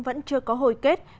vẫn chưa có hồi kết